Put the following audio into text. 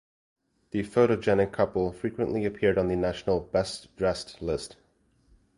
The photogenic couple frequently appeared on the national "best-dressed" list.